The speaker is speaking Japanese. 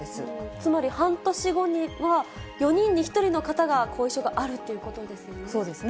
つまり、半年後には４人に１人の方が後遺症があるということですよね。